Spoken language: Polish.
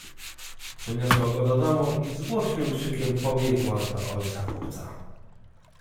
"Przeniosła go do domu i z głośnym krzykiem pobiegła do ojca chłopca."